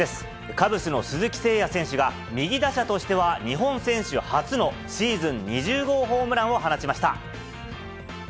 カブスの鈴木誠也選手が、右打者としては日本選手初のシーズン２０号ホームランを放ちました。